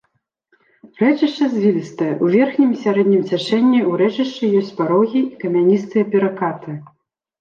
Рэчышча звілістае, у верхнім і сярэднім цячэнні ў рэчышчы ёсць парогі і камяністыя перакаты.